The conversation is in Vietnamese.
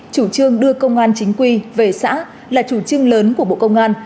chủ trương đưa công an chính quy về xã là chủ trương lớn của bộ công an